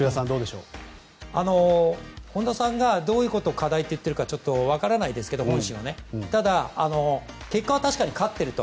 本田さんがどういうことを課題と言ってるか本心はちょっと分からないですけど結果は確かに勝っていると。